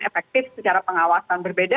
efektif secara pengawasan berbeda